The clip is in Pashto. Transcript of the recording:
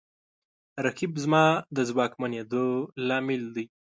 رقیب زما د ځواکمنېدو لامل دی